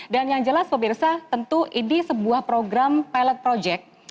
dan yang jelas pemirsa tentu ini sebuah program pilot project